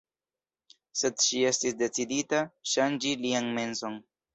Sed ŝi estis decidita ŝanĝi lian menson.